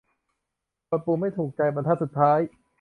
กดปุ่มไม่ถูกใจบรรทัดสุดท้าย